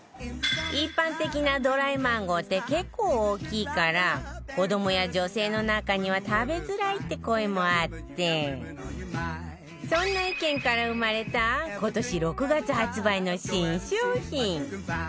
一般的なドライマンゴーって結構大きいから子どもや女性の中には食べづらいって声もあってそんな意見から生まれた今年６月発売の新商品！